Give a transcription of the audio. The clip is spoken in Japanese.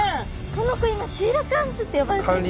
この子今シーラカンスって呼ばれてるんですね。